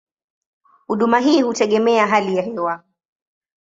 Huduma hii hutegemea hali ya hewa.